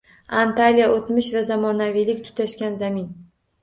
Antaliya – o‘tmish va zamonaviylik tutashgan zamin